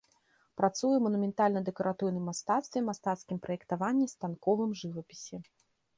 Працуе ў манументальна-дэкаратыўным мастацтве, мастацкім праектаванні, станковым жывапісе.